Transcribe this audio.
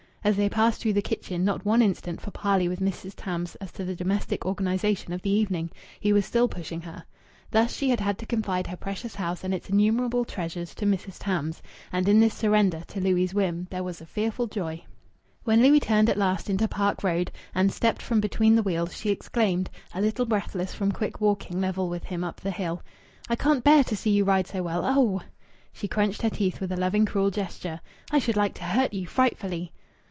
As they passed through the kitchen, not one instant for parley with Mrs. Tams as to the domestic organization of the evening! He was still pushing her.... Thus she had had to confide her precious house and its innumerable treasures to Mrs. Tams. And in this surrender to Louis' whim there was a fearful joy. When Louis turned at last into Park Road, and stepped from between the wheels, she exclaimed, a little breathless from quick walking level with him up the hill "I can't bear to see you ride so well. Oh!" She crunched her teeth with a loving, cruel gesture. "I should like to hurt you frightfully!"